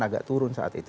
agak turun saat itu